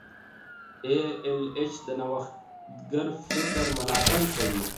ای ایل ایچ د نوښتګر فکر ملاتړ کوي.